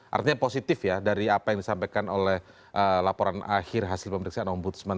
artinya positif ya dari apa yang disampaikan oleh laporan akhir hasil pemeriksaan ombudsman